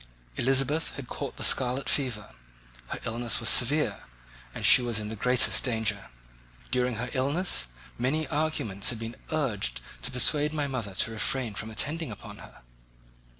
Elizabeth had caught the scarlet fever; her illness was severe, and she was in the greatest danger. During her illness many arguments had been urged to persuade my mother to refrain from attending upon her.